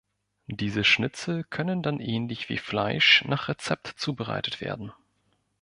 Diese Schnitzel können dann ähnlich wie Fleisch nach Rezept zubereitet werden.